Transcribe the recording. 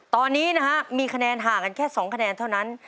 ตอนนี้นะฮะมีคะแนนห่างกันแค่๒คะแนนเท่านั้น